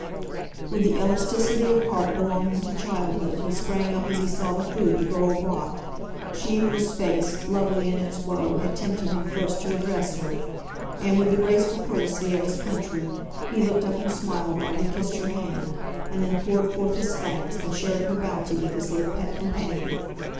With the elasticity of heart belonging to childhood he sprang up as he saw the food the girl brought; she whose face, lovely in its woe, had tempted him first to address her; and, with the graceful courtesy of his country, he looked up and smiled while he kissed her hand, and then poured forth his thanks, and shared her bounty with his little pet companion.